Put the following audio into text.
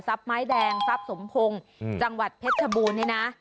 ไม้แดงทรัพย์สมพงศ์จังหวัดเพชรชบูรณนี่นะ